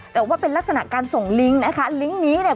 แต่ว่าเป็นลักษณะการส่งลิงก์นะคะลิงก์นี้เนี่ย